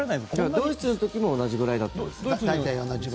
ドイツの時も同じぐらいだったんですね。